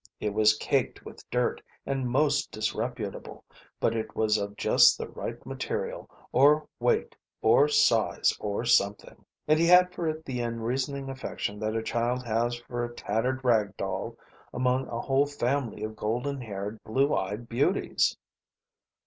It was caked with dirt, and most disreputable, but it was of just the right material, or weight, or size, or something, and he had for it the unreasoning affection that a child has for a tattered rag doll among a whole family of golden haired, blue eyed beauties.